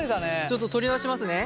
ちょっと取り出しますね。